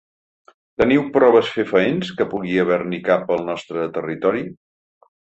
Teniu proves fefaents que pugui haver-n’hi cap al nostre territori?